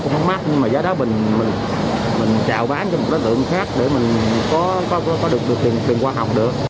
nhưng mà giá đó mình chào bán cho một đối tượng khác để mình có được tiền qua học được